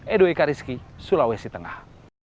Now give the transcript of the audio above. edo eka rizky sulawesi tengah